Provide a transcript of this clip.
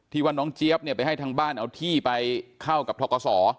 ว่าน้องเจี๊ยบเนี่ยไปให้ทางบ้านเอาที่ไปเข้ากับทกศ